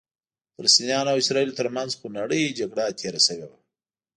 د فلسطینیانو او اسرائیلو ترمنځ خونړۍ جګړه تېره شوې وه.